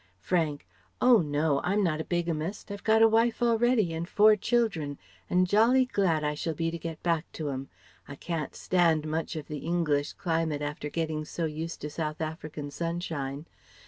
Frank: "Oh no! I'm not a bigamist, I've got a wife already and four children, and jolly glad I shall be to get back to 'em. I can't stand much of the English climate, after getting so used to South African sunshine.